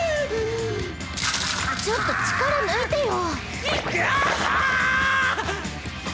ちょっと力抜いてよ！